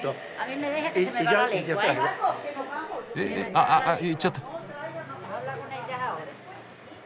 あああ行っちゃった。